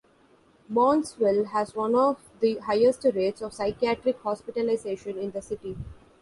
Brownsville has one of the highest rates of psychiatric hospitalization in the city.